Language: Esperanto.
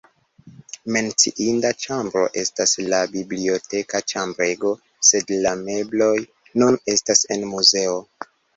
Menciinda ĉambro estas la biblioteka ĉambrego, sed la mebloj nun estas en muzeo.